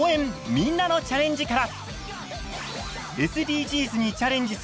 みんなのチャレンジ」から！